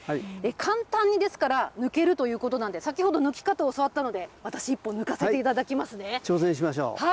簡単にですから、抜けるということなんで、先ほど抜き方を教わったので、私、１本抜かせていただ挑戦しましょう。